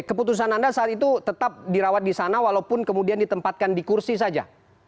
keputusan anda saat itu tetap dirawat di sana walaupun kemudian ditempatkan di kursi saja